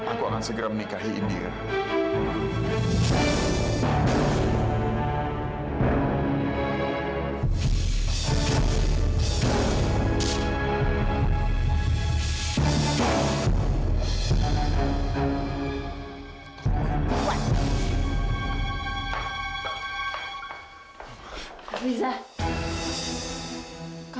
aku akan segera menikahi indira